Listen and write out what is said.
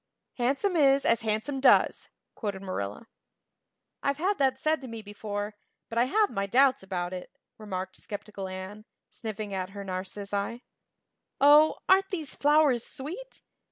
"Handsome is as handsome does," quoted Marilla. "I've had that said to me before, but I have my doubts about it," remarked skeptical Anne, sniffing at her narcissi. "Oh, aren't these flowers sweet!